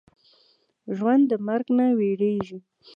ژوندي د مرګ نه وېرېږي